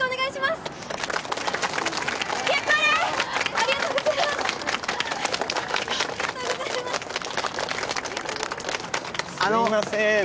すみません。